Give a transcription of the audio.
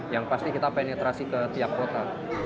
yang pasti kita penetrasi ke tiap kota